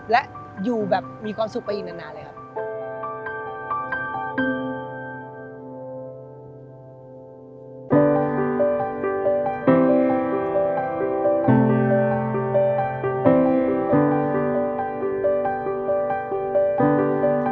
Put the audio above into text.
และอยู่แบบมีความสุขไปอีกนานเลยครับ